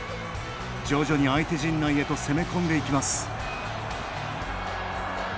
徐々に相手陣内へと攻め込んでいきます。